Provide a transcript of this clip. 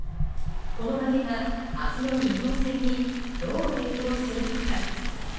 この負けが明日の日本戦にどう影響するのか。